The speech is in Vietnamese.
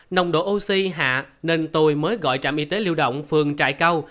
nồng độ oxy hạ nên tôi mới gọi trạm y tế lưu động phường trại câu